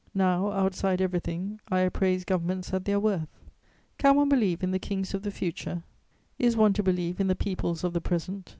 Now, outside everything, I appraise governments at their worth. Can one believe in the kings of the future? Is one to believe in the peoples of the present?